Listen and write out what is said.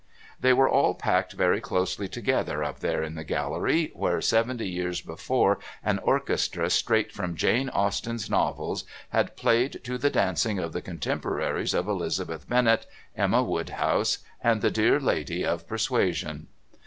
They were all packed very closely together up there in the gallery, where seventy years before an orchestra straight from Jane Austen's novels had played to the dancing of the contemporaries of Elizabeth Bennett, Emma Woodhouse, and the dear lady of "Persuasion."